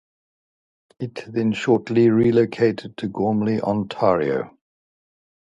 It then shortly relocated to Gormley, Ontario.